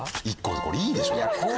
これいいでしょ。